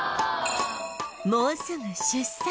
もうすぐ出産